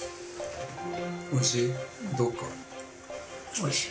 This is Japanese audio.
おいしい？